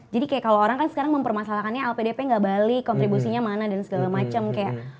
jadi kayak kalau orang kan sekarang mempermasalahkannya lpdp gak balik kontribusinya mana dan segala macem kayak